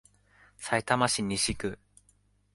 さいたま市西区